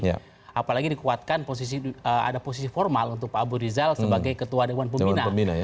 apalagi dikuatkan ada posisi formal untuk pak abu rizal sebagai ketua dewan pembina